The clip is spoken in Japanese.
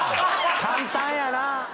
簡単やな。